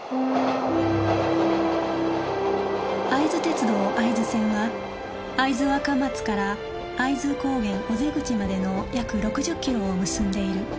会津鉄道会津線は会津若松から会津高原尾瀬口までの約６０キロを結んでいる